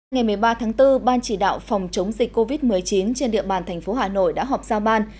ngày một mươi ba tháng bốn ban chỉ đạo phòng chống dịch covid một mươi chín trên địa bàn thành phố hà nội đã họp giao ban